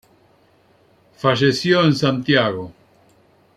Falleció en Santiago.